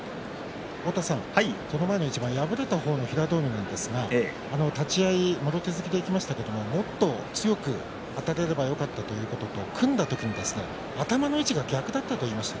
その前の一番敗れた平戸海ですが立ち合いもろ手突きでいきましたけれども、もっと強くあたれればよかったということと組んだ時に頭の位置が逆だったと言いました。